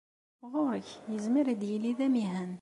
Ɣur-k! Yezmer ad yili d amihan.